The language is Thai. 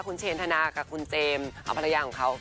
คุณเชนธนากับคุณเจมส์เอาภรรยาของเขา